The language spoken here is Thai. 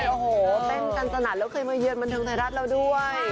โอ้โหเต้นกันสนัดแล้วเคยมาเยือนบันเทิงไทยรัฐเราด้วย